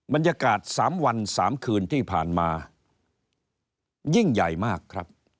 บรรยากาศ๓วัน๓คืนที่ผ่านมายิ่งใหญ่มากครับ